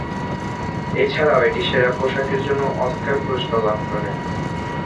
এছাড়াও এটি সেরা পোশাকের জন্য অস্কার পুরস্কার লাভ করে।